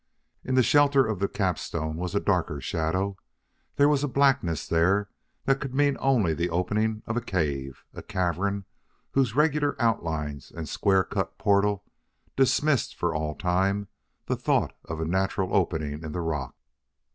In the shelter of the capstone was a darker shadow; there was a blackness there that could mean only the opening of a cave a cavern, whose regular outlines and square cut portal dismissed for all time the thought of a natural opening in the rock.